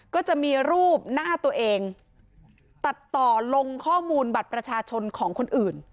ก็จะมีรูปหน้าตัวเองตัดต่อลงข้อมูลบัตรประชาชนของคนอื่น